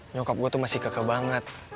nyokap gua tuh masih kakek banget